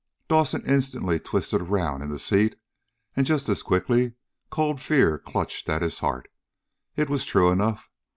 Dawson instantly twisted around in the seat, and just as quickly cold fear clutched at his heart. It was true enough.